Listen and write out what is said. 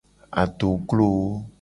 Adoglowo.